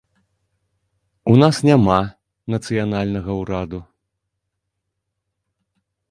У нас няма нацыянальнага ўраду.